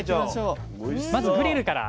まずグリルから。